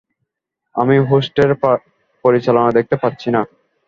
আমি হোস্টের পরিচালনা দেখতে পাচ্ছি না।